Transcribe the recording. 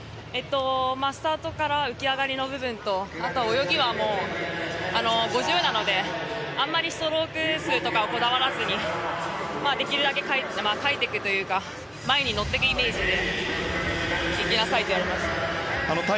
スタートから浮き上がりの部分とあとは、泳ぎは５０なのであんまりストローク数とかをこだわらずにできるだけかいていくというか前に乗っていくイメージで行きなさいと言われました。